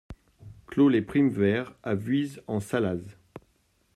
Clos les Primevères à Viuz-en-Sallaz